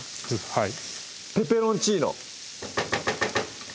はいペペロンチーノ！